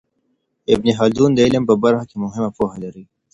ابن خلدون د علم په برخه کي مهمه پوهه لري.